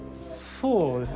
そうですね。